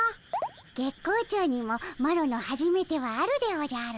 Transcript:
月光町にもマロのはじめてはあるでおじゃる。